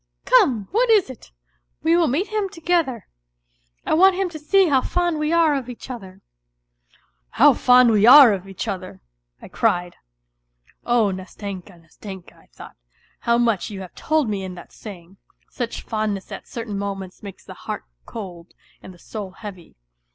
" Come, what is it ? We will meet him together ; I want him to see how fond we are of each other." " How fond we are of each other !" I cried. (" Oh, Nastenka, Nastenka," I thought, " how much you have told me in that saying ! Such fondness at certain moments makes the heart cold and the soul heavy.